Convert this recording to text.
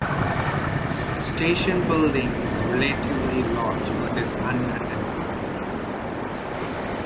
The station building is relatively large, but is unattended.